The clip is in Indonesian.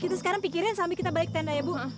kita sekarang pikirin sambil kita balik tenda ya bu